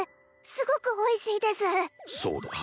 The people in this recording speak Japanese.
すごくおいしいですそうだ